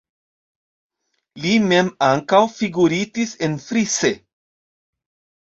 Li mem ankaŭ figuritis enfrise.